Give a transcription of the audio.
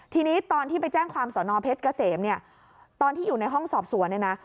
ทีนี้ตอนที่ไปแจ้งความสอนอเพชรเกษมเนี่ยตอนที่อยู่ในห้องสอบสวนเนี่ยนะ